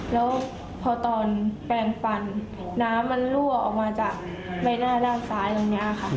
แล้วพอตอนแปลงฟันน้ำมันรั่วออกมาจากใบหน้าด้านซ้ายตรงนี้ค่ะ